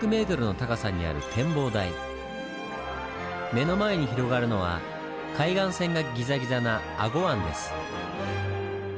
目の前に広がるのは海岸線がギザギザな英虞湾です。